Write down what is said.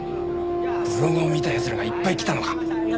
ブログを見た奴らがいっぱい来たのか。